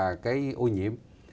và cái ô nhiễm